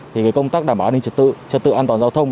thì công tác đảm bảo an ninh trật tự trật tự an toàn giao thông